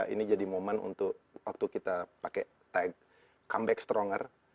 ini jadi momen untuk waktu kita pakai comeback stronger